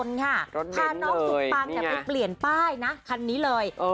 รถเบ้นเลยนี่ไงพาน้องสุดปังไปเปลี่ยนป้ายนะคันนี้เลย